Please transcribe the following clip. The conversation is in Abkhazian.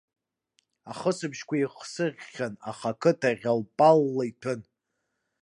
Ахысбыжьқәа еихсыӷьхьан, аха ақыҭа ӷьал-палла иҭәын.